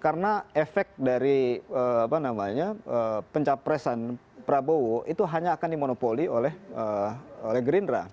karena efek dari pencapresan prabowo itu hanya akan dimonopoli oleh partai